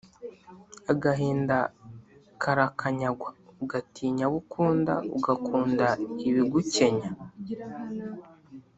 agahinda karakanyagwa, ugatinya abo ukunda, ugakunda ibigukenya